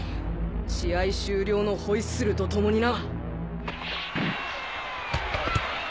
試合終了のホイッスルとともにな！